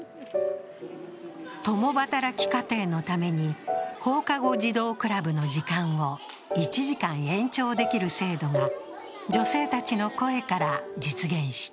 共働き家庭のために放課後児童クラブの時間を１時間延長できる制度が女性たちの声から実現した。